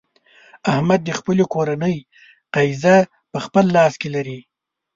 احمد د خپلې کورنۍ قېزه په خپل لاس کې لري.